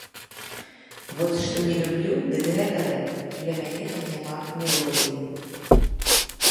Вось што не люблю, дык гэта рэп, для мяне там няма мелодыі.